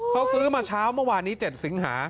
เขาซื้อมาเช้าเมื่อวานนี้๗สิงหา